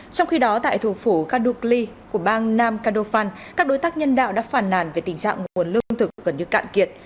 trong khi đó tại thủ phủ kadukli của bang nam kdofan các đối tác nhân đạo đã phản nàn về tình trạng nguồn lương thực gần như cạn kiệt